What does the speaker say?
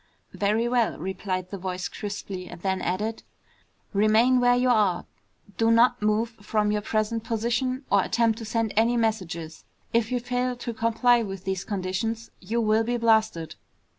"Very well," replied the voice crisply, and then added, "Remain where you are. Do not move from your present position or attempt to send any messages. If you fail to comply with these conditions you will be blasted!"